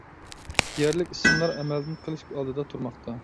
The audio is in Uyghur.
يەرلىك ئىسىملار ئەمەلدىن قېلىش ئالدىدا تۇرماقتا.